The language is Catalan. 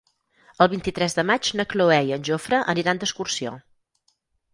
El vint-i-tres de maig na Cloè i en Jofre aniran d'excursió.